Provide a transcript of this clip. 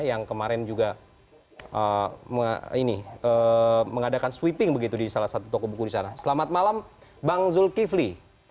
yang kemarin juga mengadakan sweeping begitu di salah satu toko buku di sana selamat malam bang zulkifli